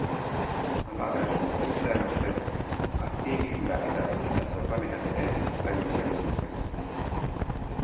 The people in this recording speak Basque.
Halaber, besteak beste, azpiegitura eta hezkuntza programetan ere izango dira murrizketak.